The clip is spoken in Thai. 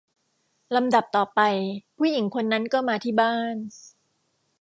ลำดับต่อไป ผู้หญิงคนนั้นก็มาที่บ้าน